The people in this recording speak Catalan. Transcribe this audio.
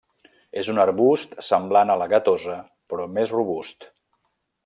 És un arbust semblant a la gatosa però més robust.